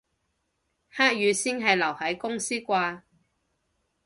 黑雨先係留喺公司啩